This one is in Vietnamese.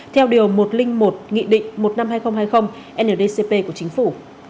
theo điều một trăm linh một nghị định một trăm năm mươi hai nghìn hai mươi ndcp của chính phủ